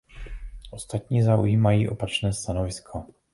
Ostatní zaujímají opačné stanovisko.